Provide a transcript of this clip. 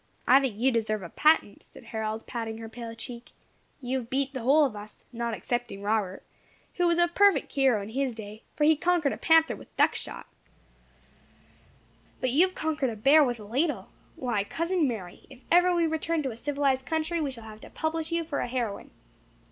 "I think you deserve a patent," said Harold, patting her pale cheek. "You have beat the whole of us, not excepting Robert, who was a perfect hero in his day; for he conquered a panther with duck shot, but you have conquered a bear with a ladle. Why, cousin Mary, if ever we return to a civilized country we shall have to publish you for a heroine."